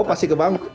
oh pasti kebangun